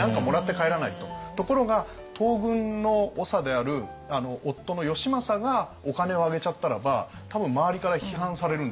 ところが東軍の長である夫の義政がお金をあげちゃったらば多分周りから批判されるんですよ。